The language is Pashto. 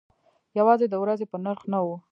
یوازې د ورځې په نرخ نه و.